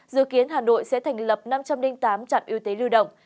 dự kiến hà nội sẽ thành lập năm trăm linh tám trạm y tế lưu động